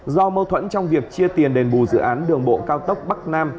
do mâu thuẫn trong việc chia tiền đền bù dự án đường bộ cao tốc bắc nam